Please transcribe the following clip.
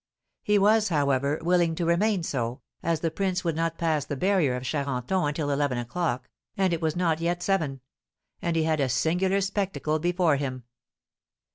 He was, however, willing to remain so, as the prince would not pass the barrier of Charenton until eleven o'clock, and it was not yet seven; and he had a singular spectacle before him.